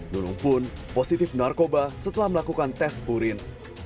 nunung pun positif narkoba setelah melakukan tes purin